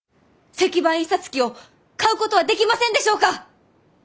石版印刷機を買うことはできませんでしょうか？